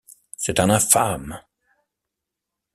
C’est un infâme!